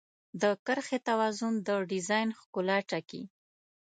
د کرښې توازن د ډیزاین ښکلا ټاکي.